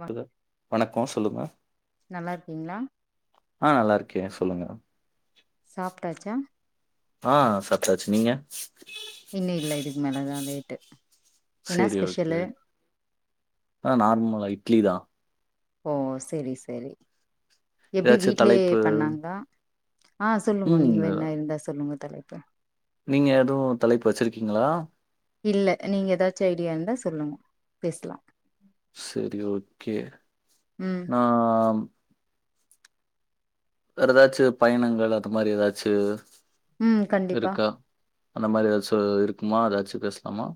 வா வணக்கோ சொல்லுங்க நல்லா இருக்கீங்ளா ஆ நல்லாருக்கே சொல்லுங்க சாப்ட்டாச்சா ஆ சாப்ட்டாச்சு நீங்க இன்னு இல்ல இதுக் மேலதா லேட்டு என்ன சேரி ஓகே ஸ்பெஷலு அ நார்மலா இட்லிதா ஓ செரி செரி எப்டி ஏதாச்சு வீட்லே தலைப்பு பண்ணாங்ளா அ சொல்லுங்க நீங் ம் வேன்னா இருந்தா சொல்லுங்கோ தலை நீங்க எது தலைப்பு வச்சிருக்கீங்ளா இல்ல நீங் எதாச்சு ஐடியா இருந்தா சொல்லுங்கு பேஸ்லா செரி ஓகே ம் நா வேர எதாச்சு பயணங்கள் அது மாரி எதாச்சு ம் கண்டிப்பா இருக்கா அந்த மாரி எதாச்சு இருக்குமா எதாச்சு பேஸ்லாமா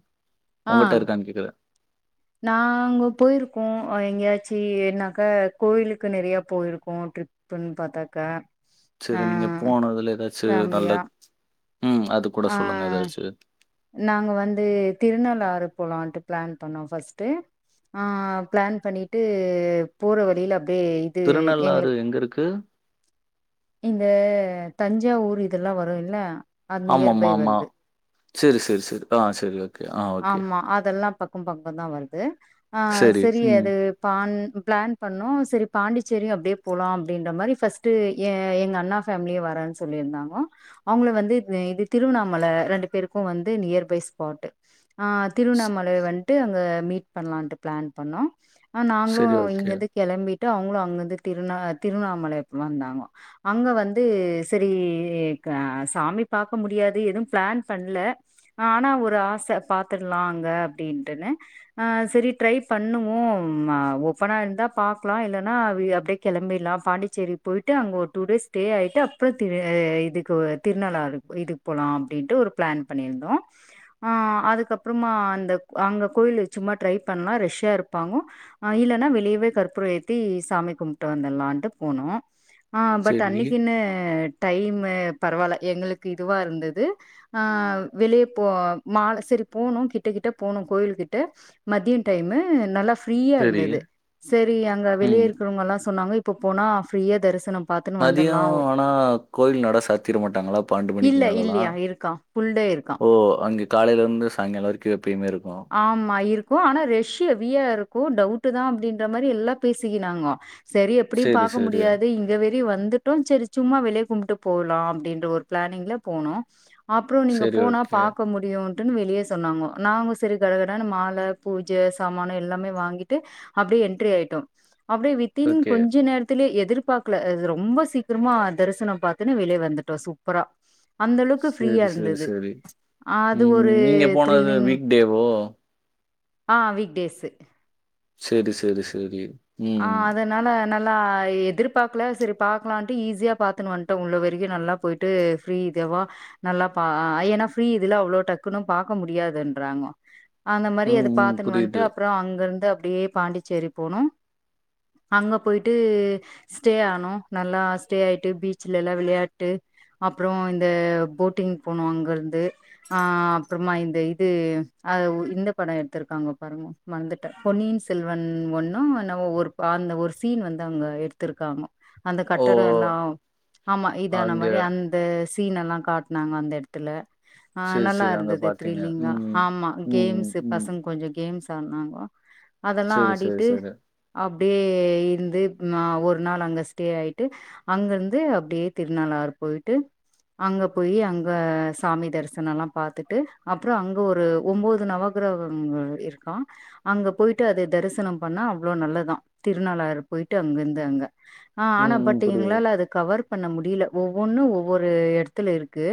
உங்கட்ட இருக்கான் கேக்குற நாங்கோ போயிருக்கோ எங்கயாச்சி என்னாக்க கோயிலுக்கு நெறியா போயிருக்கோ ட்ரிப் புன் பாத்தக்க சேரி நீங்க போனதுல எதாச்சு ஃபேமிலியா நல்லத் ம் அது கூட ஆ சொல்லுங்க எதாச்சு நாங்க வந்து திருநள்ளாறு போலான்ட்டு ப்ளான் பண்ணோ ஃபஸ்ட்டு ஆ ப்ளான் பண்ணிட்டு போற வழில அப்டே இது திருநள்ளாறு எங்ளுக் எங்க இருக்கு இந்த தஞ்சாவூர் இதல்லாமவரு இல்ல அது இயர்பை வருது செரி செரி செரி அ செரி ஓக் ஆம்மா அதல்லா பக்க பக்க தா வருது ஆ சேரி சரி ம் அது பான் ப்ளான் பண்ணோ செரி பாண்டிச்சேரியு அப்டே போலா அப்டின்ற மாரி ஃபஸ்ட்டு ஏ எங் அண்ணா ஃபேம்லியு வரேன் சொல்லிருந்தாங்கோ அவுங்ளு வந்து இதெ இது திருவண்ணாமல ரெண்டு பேருக்கு வந்து நியர் பை ஸ்பாட்டு ஆ ஸ் திருவண்ணாமலை வந்ட்டு அங்க மீட் பண்லான்ட்டு ப்ளான் பண்ணோ அ நாங்ளு சரி ஓகே. இங்கந்து களம்பிட்டு அவங்ளு அங்கந்து திருநா திருநாமலை வந்தாங்கோ அங்க வந்து செரி க சாமி பாக்க முடியாது எது ப்ளேன் பண்ல அ ஆனா ஒரு ஆச பாத்துர்ல அங்க அப்டின்ட்டுனு அ செரி ட்ரை பண்ணுவோ ம ஓப்பனா இர்ந்தா பாக்கலா இல்லனா வி அப்டே கிளம்பிட்லா பாண்டிச்சேரி பொய்ட்டு அங்க ஒரு டூ டேஸ் ஸ்டே ஆயிட்டு அப்ற திரு இதுக்கு திருநல்லாறு இது போலா அப்டின்ட்டு ஒரு ப்ளேன் பண்ணிருந்தோ அதுக்கப்பறமா அந்த அங்க கோயிலு சும்மா ட்ரை பண்லா ரெஷ்ஷா இருப்பாங்கோ அ இல்லன்னா வெளியவே கற்பூர ஏத்தி சாமி கும்ட்டு வந்துலான்ட்டு போனோ ஆ பட் சரி, அன்னிக்கின்னு டைமு பரவால்ல எங்குளுக்கு இதுவா இருந்துது அ வெளிய போ மால தெரி போனு கிட்ட கிட்ட போனு கோயில்கிட்ட மதிய டைமு நல்லாஃப் ப்ரீயா சரி. இருந்துது செரி அங்க ம். வெளிய இருக்குறவங்கலா சொன்னாங்க இப்ப போனா ஃப்ரீயா தரிசனம் பாத்துன்னு மதியோ வந்துர்லா ஆனா கோயில் நடா சாத்திர மாட்டாங்ளா பாண்டு மணிக்கு இல்ல மேலலா இல்லையா இருக்கா ஃபுல் டே இருக்கா ஒ அங்கு காலைல இர்ந்து சாங்கால வரிக்கு எப்புயுமே இருக்கு ஆம்மா இருக்கு ஆனா ரெஷ் எவியா இருக்கு டவுட்டு்தா அப்டின்ற மாரி எல்லா பேசிக்கினாங்கோ செரி எப்புடியு சரி, பாக்க சரி. முடியாது இங்க வெரியு வந்துட் டு செரி சும்மா வெளிய கும்ட்டு போலா அப்டின்ற ஒரு ப்ளேனிங்ல போனோ அப்றோ நீங்க சரி போனா ஓகே, பாக்க முடியூன்ட்டுனு வெளிய சொன்னாங்கோ நாங்கோ செரு கடகடனு மால பூஜ சாமானு எல்லாமே வாங்கிட்டு அப்டே என்ட்ரி ஆயிட்டோ அப்டியே வித்தின் ஓகே. கொஞ்ச நேரத் துலே எதிர்பாக்கல அது ரொம்ப சீக்கிரமா தரிசனம் பாத்துனு வெளிய வந்துட்டோ சூப்பரா அந்தளவுக்கு ஃப்ரீயா சரி, சரி, இர்ந்தது சரி. அது ம் ஒரு நீங்க போனது த்ரில்லிங் வீக் டேவோ ஆ வீக் டேஸு செரி செரி செரி ஆ அத நானு நல்லா எதிர்பாக்கல செரி பாக்கலான்ட்டு ஈஸியா பாத்துனு வந்ட்டோ உள்ள வரைக்கு நல்லா போய்ட் டு ஃப்ரீ இதேவா நல்லா பா ஆ ஏனா ஃப்ரீ இதுல அவ்ளோ டக்குனு பாக்க முடியாதுன்றாங்கோ அந்த ம், மாரி அது ம். பாத்துன் வந்ட்டு புரியுது. அப்பறோ அங்கர்ந்து அப்டியே பாண்டிச்சேரி போனோ அங்க போய்ட்டு ஸ்டே ஆனோ நல்லா ஸ்டே ஆய்ட்டு பீச்சுலல்லா விளயாட்டு அப்றோ இந்த போட்டிங் போனோ அங்கர்ந்து ஆ அப்பறமா இந்த இது ஆ உ இந்த படோ எட்த்திருக்காங்கோ பாருங்கோ மற்ந்துட்டே பொன்னியின் செல்வன் ஒன்னோ என்னவோ ஒருப் அந்த ஒரு சீன் வந்து அங்க எடுத்திருக்காங்கோ அந்த ஓ! கட்டடோ எல்லா ஆமா இதான அங்க மாரி அந்த சீன் எல்லா காட்னாங்க அந்த எடத் துல ஆ சரி, நல்லா சரி. அங்க இர்ந்துது பார்த்தீங்க. த்ரீலிங்கா ம். ஆமா ம், கேம்ஸு ம். பசங் கொஞ்ச கேம்ஸ் ஆட்னாங்கோ அதெல்லா சரி, சரி, ஆடிட்டு சரி. அப்டியே இர்ந்து ந ஒரு நாள் அங்க ஸ்டே ஆய்ட்டு அங்கர்ந்து அப்டியே திருநாள்ளாறு போய்ட்டு அங்க போயி அங்க சாமி தரிசனல்லா பாத்துட்டு அப்றோ அங்க ஒரு ஒம்போது நவக் கிரகங்கள் இருக்கா அங்க போய்ட்டு அத தரிசனம் பண்ணா அவ்ளோ நல்ல தா திருநாள்ளாறு போய்ட்டு அங்கர்ந்து அங்க ஆ ம், ஆனா ம். பட் புரியுது, எங்ளால அது கவர் பண்ண முடியில ஒவ்வொன்னு ஒவ்வொரு எடத்துல இருக்கு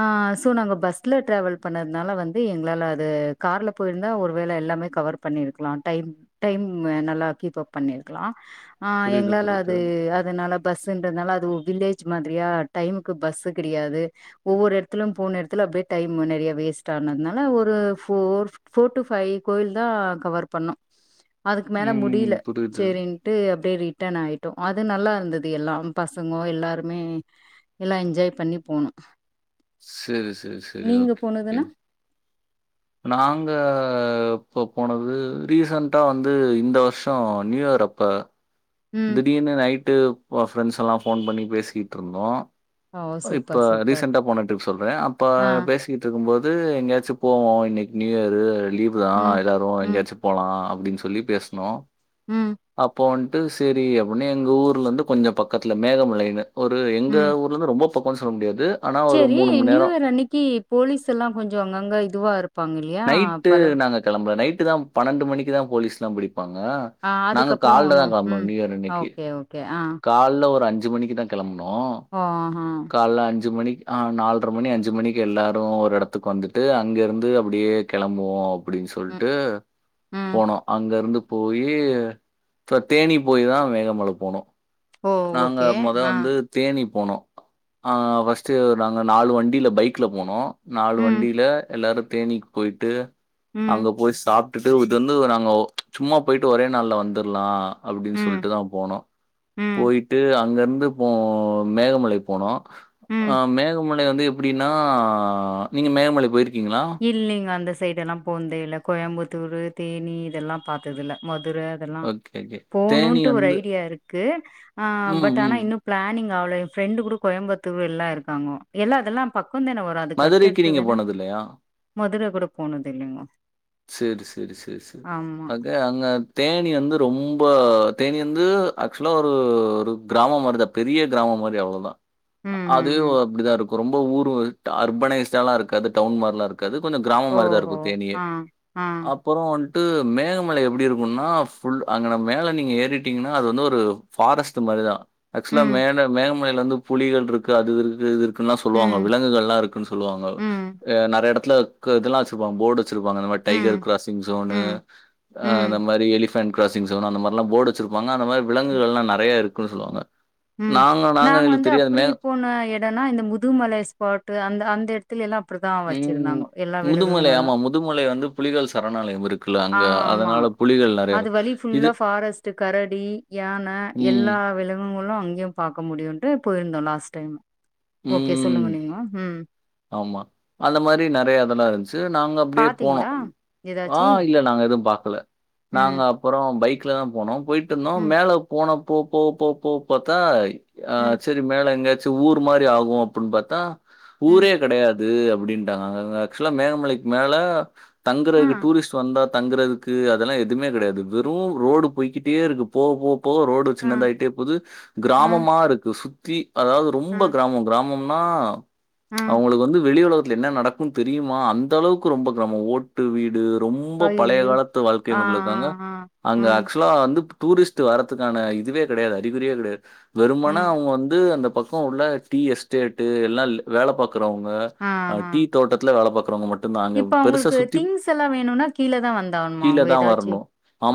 ஆ சோ நாங்க பஸ்ல ட்ராவல் பண்ணதுனால வந்து எங்ளால அது கார்ல போயிர்ந்தா ஒருவேள எல்லாமே கவர் பண்ணீர்க்கலா டைம் டைம்மு நல்லா கீப்அப் பண்ணீர்க்கலா அ புரியுது, எங்ளால புரியுது. அது அதுனால பஸ்ஸுன்றத்னால அது ஓ வில்லேஜு மாதிரியா டைமுக்கு பஸ்ஸு கெடயாது ஒவ்வொரு எடத்துலு போன எடத்துல அப்டியே டைம் நெறைய வேஸ்ட் ஆனத்னால ஒரு ஃபோர் ஃபோர் டு ஃபை கோயில் தா கவர் பண்ணோ அதுக்கு மேல ம், முடியில ம். புரியுது. ன்ட்டு அப்டியே ரிட்டன் ஆய்ட்டோ அது நல்லார்ந்தது எல்லா பசங்கோ எல்லாருமே எல்லா என்ஜாய் பண்ணி போனோ செரி செரி செரி நீங்க ஓகே ஓகே போனதுன்னா நாங்க எப்போ போனது ரீசண்ட்டா வந்து இந்த வர்ஷோ நியூ இயர் அப்ப ம் திடீர்னு நைட்டு ஃப ஃப்ரெண்ட்ஸ் எல்லா ஃபோன் பண்ணி பேசிகிட்ருந்தோ ஓ அ இப்ப சூப்பர் சூப்பர் ரீசெண்ட்டா போன ட்ரிப் சொல்றே அப்ப ஆ பே சிகிட்ருக்கும்போது எங்யாச்சு போவோ இன்னிக் நியூ இயரு லீவு தா ம் எல்லோரு ம் எங்யாச்சு போலா அப்டின் சொல்லி பேஸ்னோ ம் அப்ப வந் ட்டு செரி அப்பிட்னு எங்க ஊர்லர்ந்து கொஞ்ச பக்கத்துல மேகமலைன்னு ஒரு எங்க ஊர்லர்ந்து ரொம்போ பக்கோன் சொல்ல முடியாது செரி நியூ இயர் அன்னைக்கி போலீஸ் எல்லா கொஞ்சோ அங்கங்க இதுவா இருப் நைட்டு நாங்க கெளம்புல நைட்டு தா பன்னெண்டு மணிக்குதா போலீஸ்லா பிடிப்பாங்க ஆ நாங்க அதுக்கப்றோ கால்ல தா ஒன்னு கெளம்புனோ ம் நியூ இயர் அன்னைக்கி ஓகே ஓகே ஆ கால்ல ஒரு அஞ்சு மணிக்கு தா கெளம்புனோ ஓ ஆ கால்ல அஞ்சு மணிக்கு ஆ நால்ர மணி அஞ்சு மணிக்கு எல்லாரு ஒரு எடத்துக் வந்துட்டு அங்கருந்து அப்புடியே கெளம்புவோ அப்படின்னு ம் சொல்லிட்டு ம் போனோ அங்க இருந்து போய்யி தேனி போய் தா வேகமலை போனோ ஓ நாங்க ஓகே மொத ஆ வந்து தேனி போனோ நாங்க ஃபர்ஸ்ட்டு நாங்க நாலு வண்டில பைக்கில போனோ நாலு ம் வண்டியில எல்லாரு தேனி போயிட்டு ம் அங்க போய் சாப்ட்டுட்டு இது வந்து நாங்க சும்மா போயிட்டு ஒரே நாள்ல வந்துரலா அப்படின்னு ம் சொல்லிட்டு தா போனோ ம் போயிட்டு அங்க இருந்து போ மேகமலை போனோ ம் அ மேகமலை வந்து எப்டின்னா நீங்க மேகமலை போயிருகீங்களா இல்லிங்க அந்த சைடல்லா போந்தே இல்ல கோயம்புத்தூரு தேனி இதெல்லா பாத்ததுல்ல மதுர ல்லா ஓகே ஓகே தேனி போணுட்டு ஒரு வந்து ஐடியா இருக்கு ஆ ம் பட் ஆனா ம் இன்னு பிளானிங் அவ்ளோ எ ஃப்ரெண்டு் கூட கோயம்புத்தூர் எல்லா இருக்காங்கல்லா இல்ல அதெல்லா பக்கந்தான வரு மதுரைக்கு நீங்க போனதுல்லையா மதுரை கூட போனதில்லைங்க சரி சரி சரி சரி அகே அங்க தேனி வந்து ரொம்ப தேனி வந்து ஆக்சுவலா ஒரு ஒரு கிராம மாறிதா பெரிய கிராம மாரி அவ்ளவுதா ம் அது ம் ம் அப்டிதாருக்கு இருக்கு ரொம்ப ஊரு அர்பனைஸ்டாலா இருக்காது அது டவுன் மார்லா இருக் கது கொஞ்ச கிராமமாரிதா ஓஹோ இருக்கு தேனியே ஆ ஆ அப்பற வன்ட்டு மேகமலை எப்டி இருக்குன்னா ஃபுல் அங்க மேலே நீங்கள் ஏறிட்டீங்கன்னா அது வந்து ஒரு பாரஸ்ட் மாரிதா ஆக்சுவலா ம் மேல மேகமலையில இருந்து புலிகள் இருக்கு அது இருக்கு இதுருக் குனா சொல்லுவாங்க ம் விலங்குகளலா இருக்குன்னு சொல்லுவாங்க ம் அ நெறய எடத்துல கு இதல்லா வச்சிருப்பாங்க போர்டு வச்சிருப்பாங்க அந்த மாரி டைகர் ம் கிராசிங் சோனு ம் ம் அந்த மாரி எலிபாண்ட் கிராசிங் சோனு அந்த மாரில்லா போர்டு வச்சிருப்பாங்க அந்த மாரி ம் விலங்குகள்லா நெறையா இருக்குன்னு சொல்லுவாங்க ம் நாங்க வந்து அப்டிப்போன எ எடம்னா இந்த முதுமலை ஸ்பாட்டு அந்த அந்த எடத்துல எல்லா அப்டிதா ம். வச்சிருந்தாங்க எல்லா முதுமலை விலகுங்கள்லா ஆமா. முதுமலை வந்து புலிகள் சரணாலயம் இருக்குல்ல ஆ அங்க ஆமா அதனால புலி அது வலி ஃபுல்லா ஃபாரஸ்ட்டு கரடி யானை ம். எல்லா விலங்குகளு அங்கியு பாக்க முடியுன்ட்டு போயிருந்தோ லாஸ்ட் டைம் ஓகே சொல்லுங்க ம். நீங்கோ ம் ஆமா அந்த மாரி நெறய இதெல்லா இருந்துச் சு நாங்க அப்டியே போனோ பாத்தீங்களா ஆ ஏதாச்சி இல்ல நாங்க எதுவு பாக்கல ம் நாங்க அப்றம் பைக்ல தா போனோ போயிட்டுந்தோ ம் மேல போன போ போ போ போ பாத்தா ஆ ம் செரி மேல எங்கேயாச்சு ஊரு மாரி ஆகு அப்டின்னு பாத்தா ம் ஊரே கெடையாது அப்டின்ட்டாங்க ஆக்சுவலா மேகமலைக்கு மேல ஆ தங்கறதுகு டூரிஸ்டு வந்தா தங்கறது கு அதெல்லா எதுவுமே கெடையாது வெறும் ரோடு போயிட்டே இருக்கு போக போ போக ரோடு டு ஆ சின்னதாயிட்டே போது ஆ கிராமமா இருக்கு சுத்தி அதாது ஆ ரொம்ப கிராமம் கிராமம் மா ஆ அவுங்களுக்கு வந்து வெளி உலகத்துல என்ன நடக்கு தெரியுமா அந்த அளவுக்கு ரொம்ப கிராமம் ஓட்டு வீடு ரொம்ப பழைய ஐயோ காலத்து வாழ்க்கை ஆ முறைல ஆ இருக்காங்க ஆ அங்க ம் ஆக்சுவலா வந்து டூரிஸ்ட் வர்த்துக்கான இதுவே கெடையாது அறிகுறியே கெடையாது வெறுமானா ம் அவுங்க வந்து அந்த பக் கோ உள்ள டீ எஸ்டேட்டு எல்லா வேல பாக்றவுங்க ஆ ஆ டீ தோட்டத்துல வேல பாக்குறவுங்க மட் நாங்க இப்ப பெருச அவங்களுக்கு சுத்தி திங்ஸ் எல்லா வேணும்னா கீழ தான் வந்தாவணுமா கீழ அவங்க தா ஏதாச்சு? வரணு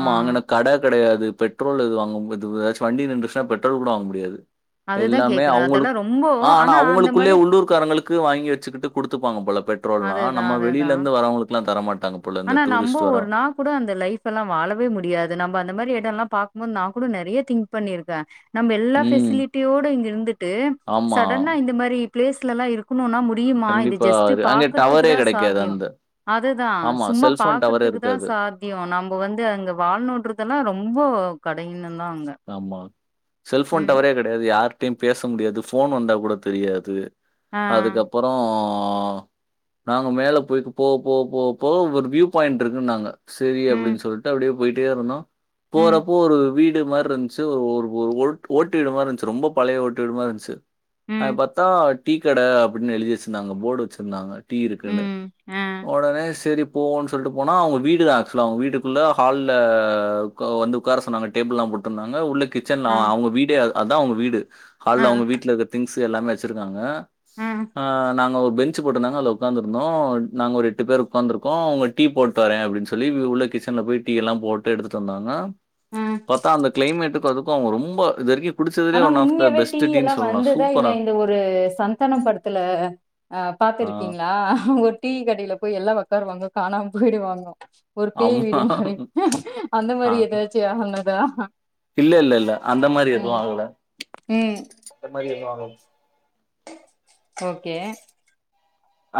ஆ அங்கன கட கெடயாது பெட்ரோல் இது வாங்கம் இது எதாச் வண்டி நின்றுச்னா பெட்ரோல் கூட வாங்க முடியாது அதுதான் எல்லாமே கேக்குறேன். அவுங்குளுக் அதெல்லாம் ரொம்ப ஆ ஆனா அந்த அவுங்குளுகுள்ளே மாரி உள்ளூர் க் காரங்குளுக்கு வாங்கி வெச்சுக்கிட்டு குடுத்துப்பாங்க போல பெட்ரோல்லா அதுதான், நம்ம அதுதான். வெளிலந்து வரவுங்குளுகுலா தர மாட்டாங்க ஆனா நம்ப ஊர் நா கூட அந்த லைப் எல்லாம் வாழவே முடியாது நம்ப அந்த மாரி எடோல்லா பாக்மோது நா கூட நெறய திங்க் பண்ணிருக்கே நம்ப எல்லா ம். ஃபெசிலிட்டியோட இங்க இருந்துட்டு ஆமா. சடனா இந்த மாரி ப்ளேஸ்லல்லா இருக் குணுன்னா முடியுமா இது கண்டிப்பா. ஜஸ்ட்டு அது அங்க பாக்கர்துக்கு டவரே தா கிடைக்காது சாத்தியோ அந்த அதுதா ஆமா. சும்மா செல்ஃபோன் டவரே பாக்குர்துக்கு தா இருக்காது. சாத் த்யு நம்ப வந்து அங்க வாழ்நோன்ட்றதுல்லா ரொம்போ கடினோ தா அங்க ஆமா செல்ஃபோன் ம். டவரே கெடயாது யார்ட்டயு பேச முடியாது ஃபோன் வந்தா கூட தெரியாது ஆ. அதுக்கப்பறோ நாங்க மேல போய்க்கு போவ போவ போவ போவ ஒரு வியூ பாய்ண்ட் இருக்குன்னாங்க செரி ம். அப்டின் சொல்ட்டு அப்டியே போய்ட்டேருந்தோ ம், போறப்போ ஒரு வீடு மார் ருன்ச்சு ஒரு ஒரு ஒரு ஓட்டு வீடு மார்ருன்ச்சு ரொம்ப பழய ஓட்டு வீடு மார்ருன்ச்சு அத ம், பாத்தா டீ கட அப்டினு எழுதி வெச்சிந்தாங்க போர்டு வெச்சிருந்தாங்க டீ இருக்குன்னு ம். ஆ, ஒடனே செரிப் போவோன் சொல்ட்டு போனா அவுங்க வீடு தா ஆக்சுலா அவுங்க வீட்டுக்குள்ள ஹால்ல உக்க வந்து உக்கார சொன்னாங்க டேபுள்ல்லா போட் ருந்தாங்க உள்ள கிச்சன்லா ஆ, அவுங்க வீடே அதா அவுங்க வீடு ஆ, ஹால்ல அவுங்க வீட்லக்க திங்ஸ்ஸு எல்லாமே வெச்சுருக்காங்க ஆ நாங்க ஒர் பென் ச்சு போட்டுந்தாங்க அதுல உக்காந்துந்தோ நாங் ஒரு எட்டு பேரு உக்காந்துருகோ அவுங்க டீ போட் தர அப்டின் சொல்லி உள்ள கிச்சன்ல போய்ட் டீ எல்லாம் போட்டு எடுத்துட்டு வந்தாங்க ம் பாத்தா அந்த க்ளைமேட்டுக்கு அதுக்கு ரொம்ப இதுவரைக்கு ஆனா உண்மையாவே டீ எல்லா வந்துதா இல்ல சூப்பரா. இந்த ஒரு சந்தானோ படத்துல ஆ பாத்துருக்கிங்ளா ஒர் டீ கடைல போய் எல்லா ஒக்காருவாங்க காணாம போய்டுவாங்க ஒரு பேய் ஆமா. வீடு மாரி அந்த ஆ. மாரி எதாச்சி ஆனதா இல்ல இல்ல இல்ல அந்த மாரி எதுவு ம், ஆகல ம். அந்த மாரி எதுவு ஆகல ஓக்கே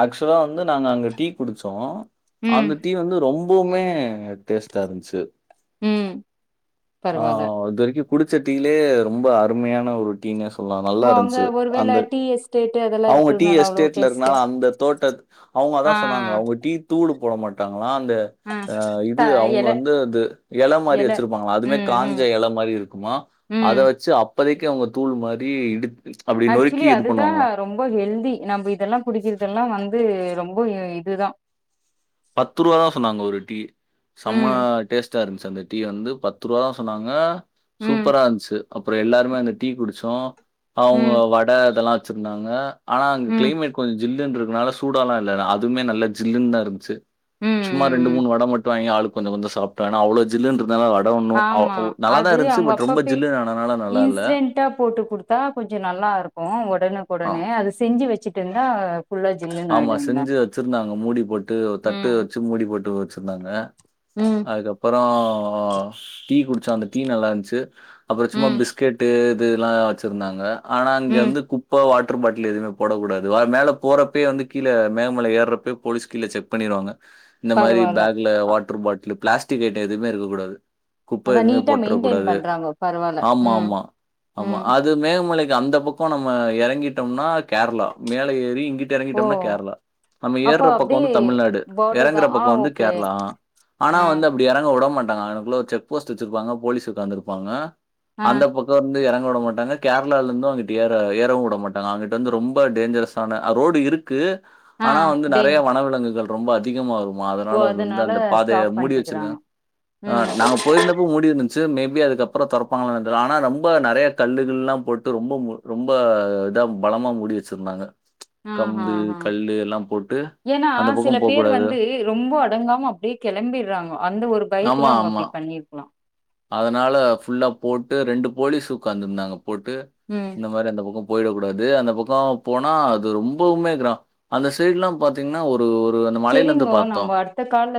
ஆக்சுவலா வந்து நாங்க அங்க டீ குடிச்சோ ம், அந்த டீ வந்து ரொம் போமே டேஸ்ட்டா இருன்ச்சு ம். ஆ பரவால்ல. இது வரிக்கு குடிச்ச டீ லே ரொம்ப அருமையான ஒரு டீ ன்னே சொல்லா நல்லா ஓ அங்க இருன்ச்சு ஒருவேள அந்த டீ எஸ்டேட்டு அதெல் அவுங்க டீ எஸ்டேட்லருக்கனால அந்த தோட்டத் அவுங்க அதா ஆ, சொன்னாங்க அவுங்க டீ தூளு போட மாட்டாங்ளா அந்த ஆ. த இது அவுங்க எல வந்து அது எல மாரி வெச்ருப்பாங்ளா அதுமே ம், ம், காஞ்ச எல மாரி இருக்குமா அத ம். வச்சு அப் அப்போதிக்கு அவுங்க தூளு மாரி இடுச் அப்டி ஆக்சுவலி நொறுக்கி இது அதுதான் பண்ணுவாங்ளா ரொம்ப ஹெல்தி நம்ம இதெல்லா குடிக்கரதெல்லா வந்து ரொம்ப இதுதா பத்து ருவா தா சொன்னாங்க ஒரு டீ செம்ம ம், டேஸ்ட் டா இருன்ச்சி அந்த டீ வந்து பத்து ருவா தா சொன்னாங்க ம், சூப்பரா இருன்ச்சு அப்றோ எல்லாருமே அந்த டீ குடிச்சோ அவுங்க ம், வட இதல்லா வெச்சிருந்தாங்க ஆனா அங்க ம், க்ளைமெட் கொஞ்ச ஜில்லுருக்கனால சூடால்லா இல்ல அதுவுமே நல்லா ஜில்லுன்தாருந்ச்சு சும்மா ரெண்டு ம், ம். மூணு வட மட்டு வாங்கி ஆளுக்கு கொஞ்சோ கொஞ்சோ சாப்ட்டோ ஏனா அவ்ளோ ஜில்லுனுருக் ந்தாலு வட ஒன்னு அவ் ஆமா. ஓ நல்லாதா அது இருந்துச்சு பட் ரொம்ப ஜில்லுன் ஆனனால நல்லால்ல ட்டா போட்டு குடுத்தா கொஞ்சோ நல்லாருக்கோ ஒடனுக் ஆ. ஒடனே அது செஞ்சு வெச்சுட்டிங்னா ஃபுல்லா ஜில்லு ஆமா செஞ்சு வெச்சிருந்தாங்க மூடி போட்டு ஒர் தட்டு ம், வெச்சி மூடி போட்டு வெச்சிர்ந்தாங்க ம், அதுக்கப்புற டீ குடிச்ச அந்த டீ நல்லா இருந்துச்சு அப்புற சும்மா ம், பிஸ்கெட்டு இதுலா வச்சிருந்தாங்க ஆனா ம். அங்கிருந்து குப்ப வாட்ரு பாட்லு எதுமே போட கூடாது மேல போறப் அப்பய வந்து கீழ மேகமலை ஏறப்பய போலீஸ் கீழ செக் பண்ணிருவாங்க இந்த மாதிரி பரவால்ல. பேக்ல அ வாட்டர் பாட்டில் பிளாஸ்டிக் ஐட்ட எதுவுமே இருக்க கூடாது குப்ப அதான் எதுமே நீட்டா போட்ர மெயின்டெயின் கூடாது பண்றாங்க. பரவால்ல. ஆமா ம், ஆமா ஆமா ம். அது து மேகமலைக்கு அந்த பக்க நம்ம இறங்கிட்டோம்னா கேரளா மேல ஏரி இங்கிட் ஓ! எறங்கிட்டோம்னா கேரளா நம்ம அப்போ ஏறுற பக்க அப்படியே வந்து தமிழ்நாடு பார்டர் எறங்குற தான். ஆ பக்க வந்து ஓகே. கேரளா அ ஆனா ஆ, வந்து அப்டி எறங்க விட மாட்டாங்க அங்குனுக்குள்ள ஒரு செக் போஸ்ட் வச்சிருப்பாங்க போலீஸ் உக்காந்து இருப்பாங்க ஆ, அந்த பக் வந்து எறங்க விட மாட்டாங்க கேரளாவில இருந்து அங்குட்டு ஏற ஏறவு வுட மாட்டாங்க அங்குட்டு வந்து ரொம்ப டேஞ்சரஸ்ஸான ரோடு இருக்கு ஆ. ஆனா வந்து டேஞ் நெறைய வனவிலங்குகள் ரொம்ப அதிகமா வருமா ஓ அதனால வந்து அந்த பாதய ஸ்டாப் மூடி பண்ணிட்டுக்கிறாங்க வச்சிருக்காங் ம் நாங்க கோயில்ல போய் மூடி இருந்துச்சு மே பி அதுக்கப்புற திறப்பாங்களலா தெரில ஆனா ரொம்ப நெறையா கல்லுகில்லா போட்டு ரொம்ப மு ரொம்ப இதா பலமா மூடி வெச்சிருந்தாங்க கம்பு கல்லு எல்லா போட்டு ஏனா அந்த சில பக்கம் பேர் போக்கூடாது. வந்து ரொம்ப அடங்காம அப்டே கெளம்பிறாங்க அந்த ஒரு ஆமா, பயத்துல அவுங்க ஆமா. அப்டி பண்ணி பலா அதனால ஃபுல்லா போட்டு ரெண்டு போலீஸ் உக்காந்து இருந்தாங்க போட்டு ம் இந்த மாரி அந்த பக்க போயிட கூடாது அந்த பக்க போனா அது ரொம்புமே கிரா அந்த சைட்லா பாத்தீங்கன்னா ஒரு ஒரு ஒரு அந்த மலையில இருந்து செரிங்கோ பாத்தோ நம்ம அடுத்த கால்ல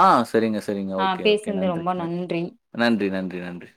ஆ செரிங்க செரிங்க ஓகே ஓகே திந்து நன்றி. ரொம்ப ந நன்றி நன்றி நன்றி நன்றி